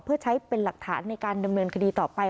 เพื่อใช้เป็นหลักฐานในการดำเนินคดีต่อไป